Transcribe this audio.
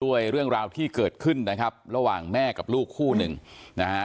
เรื่องราวที่เกิดขึ้นนะครับระหว่างแม่กับลูกคู่หนึ่งนะฮะ